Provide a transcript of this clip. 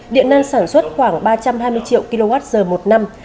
điện năng sản xuất khoảng ba trăm hai mươi triệu kwh một năm